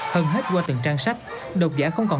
hơn hết qua từng trang sách độc giả không còn